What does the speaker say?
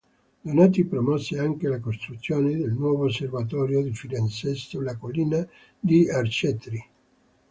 Donati promosse anche la costruzione del nuovo osservatorio di Firenze sulla collina di Arcetri.